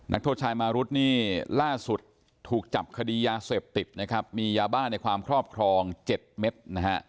นักโทษชายมารุดนี่ล่าสุดถูกจับคดียาเสพติดนะครับมียาบ้าในความครอบครอง๗เม็ดนะฮะ